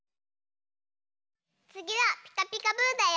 つぎは「ピカピカブ！」だよ！